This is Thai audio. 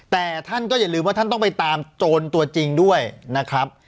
แต่ท่านก็อย่าลืมว่าท่านต้องไปตามโจรตัวจริงด้วยนะครับ